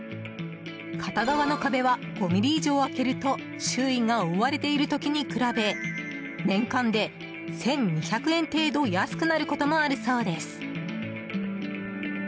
片側の壁は５ｍｍ以上空けると周囲が覆われている時に比べ年間で１２００円程度安くなることもあるそうです。